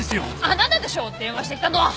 あなたでしょう電話してきたのは！